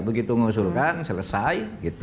begitu mengusulkan selesai